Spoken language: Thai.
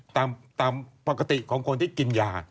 ตามปกติของคนที่กินยา